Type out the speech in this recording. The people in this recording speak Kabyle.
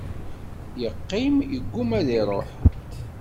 Yeqqim igumma ad iruḥ.